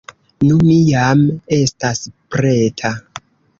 Nu, mi jam estas preta.